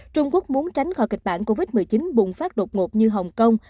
trung quốc muốn tránh khỏi kịch bản covid một mươi chín bùng phát đột ngột như hồng kông